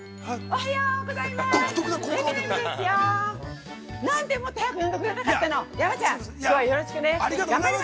◆おはようございまーす。